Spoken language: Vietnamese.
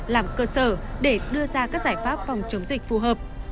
làm cơ sở để đưa ra các giải pháp phòng chống dịch phù hợp